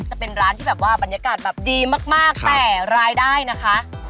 จะเป็นร้านที่บรรยากาศดีมากแต่รายได้นะคะ